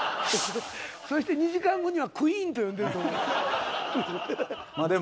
そして２時間後にはクイーンと呼んでると思う。